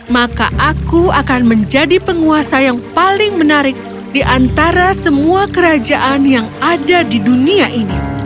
maka aku akan menjadi penguasa yang paling menarik di antara semua kerajaan yang ada di dunia ini